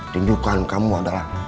tunjukkan kamu adalah